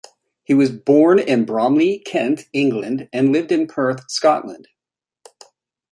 He was born in Bromley, Kent, England and lived in Perth, Scotland.